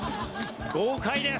豪快です！